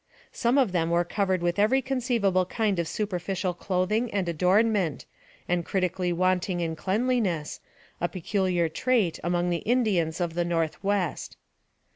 Some of them were covered with every conceivable 214 NARRATIVE OF CAPTIVITY kind of superficial clothing and adornment, and criti cally wanting in cleanliness, a peculiar trait among the Indians of the Northwest.